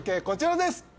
こちらです